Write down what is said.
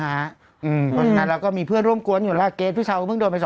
อันนั้นเราก็มีเพื่อนร่วมกว้นอยู่แล้วเกรดพี่ชาวมึงโดนไป๒๓๐๐